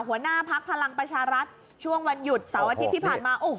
หัวหน้าพักพลังประชารัฐช่วงวันหยุดเสาร์อาทิตย์ที่ผ่านมา